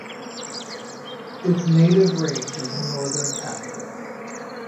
Its native range is northern Africa.